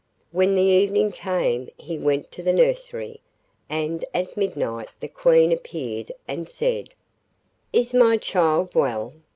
When the evening came he went to the nursery, and at midnight the Queen appeared and said: 'Is my child well?